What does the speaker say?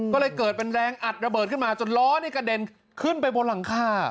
ก็เลยเกิดเป็นแรงอัดระเบิดขึ้นมาจนล้อนี่กระเด็นขึ้นไปบนหลังคา